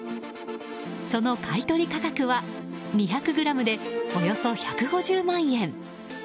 その買取価格は２００ｇでおよそ１５０万円。